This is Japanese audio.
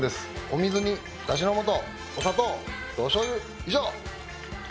お水にだしの素お砂糖おしょうゆ以上。